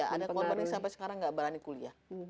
ada yang sampai sekarang tidak berani kuliah